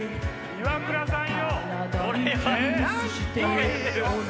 イワクラさん。